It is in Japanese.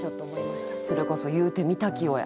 それこそ「言ふてみたきを」や。